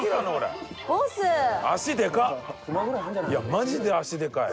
マジで足でかい。